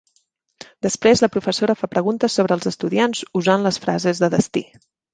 Després la professora fa preguntes sobre els estudiants usant les frases de destí.